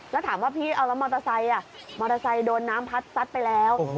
แล้วถามว่าพี่เอาแล้วมอเตอร์ไซค์มอเตอร์ไซค์โดนน้ำพัดซัดไปแล้ว